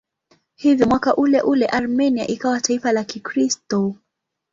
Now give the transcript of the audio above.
Hivyo mwaka uleule Armenia ikawa taifa la Kikristo.